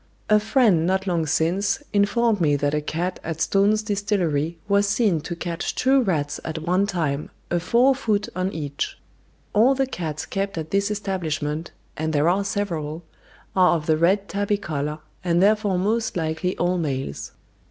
A friend not long since informed me that a cat at Stone's Distillery was seen to catch two rats at one time, a fore foot on each. All the cats kept at this establishment, and there are several, are of the red tabby colour, and therefore most likely all males.